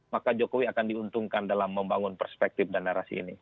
maka jokowi akan diuntungkan dalam membangun perspektif dan narasi ini